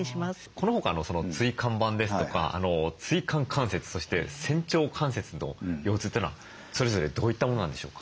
その他の椎間板ですとか椎間関節そして仙腸関節の腰痛というのはそれぞれどういったものなんでしょうか？